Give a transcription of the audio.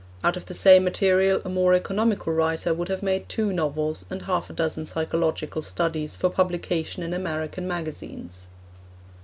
Out of the same material a more economical writer would have made two novels and half a dozen psychological studies for publication in American magazines.